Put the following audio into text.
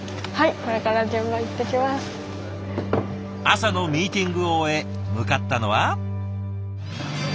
朝のミーティングを終え向かったのは。